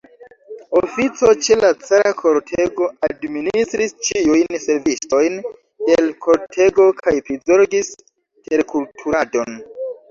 Ofico, ĉe la cara kortego, administris ĉiujn servistojn de l' kortego kaj prizorgis terkulturadon.